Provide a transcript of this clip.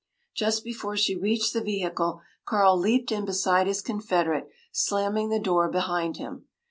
Just before she reached the vehicle, Carl leaped in beside his confederate, slamming the door behind him.